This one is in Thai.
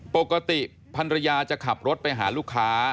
ปกติพันรยาจะขับรถไปหาลูกค้า